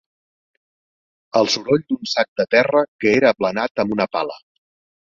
El soroll d'un sac de terra que era aplanat amb una pala